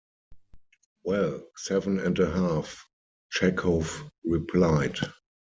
"Well, seven and a half," Chekhov replied.